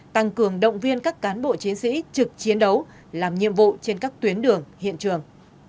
tăng cường động viên các cán bộ chiến sĩ trực chiến đấu làm nhiệm vụ trên các tuyến đường hiện trường